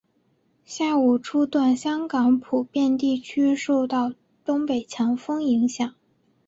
下午初段香港普遍地区受到东北强风影响。